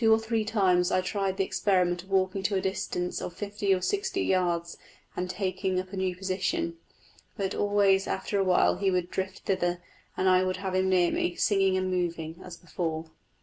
Two or three times I tried the experiment of walking to a distance of fifty or sixty yards and taking up a new position; but always after a while he would drift thither, and I would have him near me, singing and moving, as before.